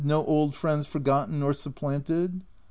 no old friends forgotten or supplanted?"